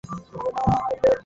হেই, ওকে কলেজে নামিয়ে দিস।